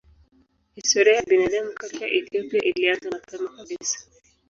Historia ya binadamu katika Ethiopia ilianza mapema kabisa.